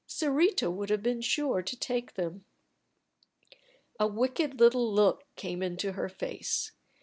Sarita would have been sure to take them. A wicked little look came into her face.